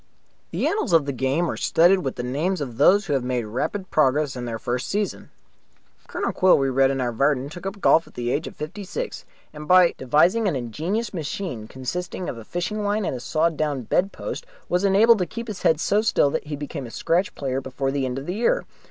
The annals of the game are studded with the names of those who have made rapid progress in their first season. Colonel Quill, we read in our Vardon, took up golf at the age of fifty six, and by devising an ingenious machine consisting of a fishing line and a sawn down bedpost was enabled to keep his head so still that he became a scratch player before the end of the year.